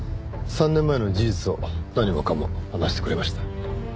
３年間の事実を何もかも話してくれました。